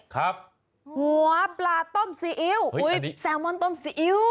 หัวปลาต้มซีอิ๊วอุ้ยแซลมอนต้มซีอิ๊ว